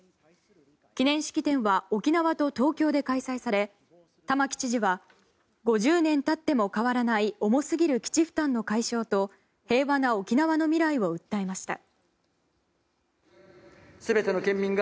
記念式典は沖縄と東京で開催され玉城知事は５０年たっても変わらない重すぎる基地負担の解消と平和な沖縄の未来を訴えました。